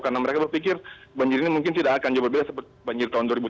karena mereka berpikir banjir ini mungkin tidak akan jauh berbeda seperti banjir tahun dua ribu tujuh